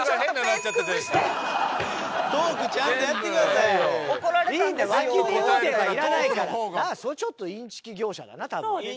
なんかそれちょっとインチキ業者だな多分。